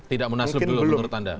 tidak munaslup dulu menurut anda